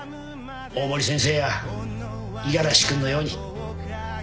大森先生や五十嵐君のように。